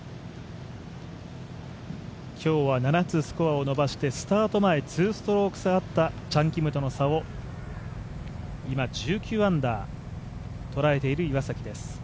今日は７つスコアを伸ばしてスタート前、２ストローク差あったチャン・キムとの差を今、１９アンダー、捉えている岩崎です。